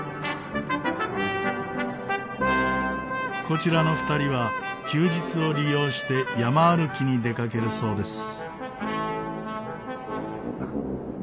こちらの２人は休日を利用して山歩きに出かけるそうです。